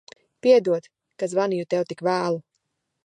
Piedod, ka zvanīju tev tik vēlu.